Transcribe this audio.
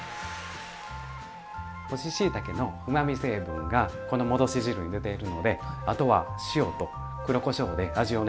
干ししいたけのうまみ成分がこの戻し汁に出ているのであとは塩と黒こしょうで味をね